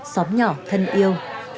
xóm nhỏ thân yêu